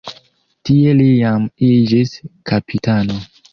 Tie li jam iĝis kapitano.